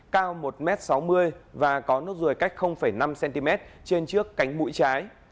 cao một m sáu mươi và có nốt ruồi cách năm cm trên trước cánh mũi trái